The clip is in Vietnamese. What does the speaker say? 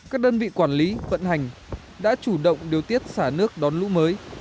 các đơn vị quản lý vận hành đã chủ động điều tiết xả nước đón lũ mới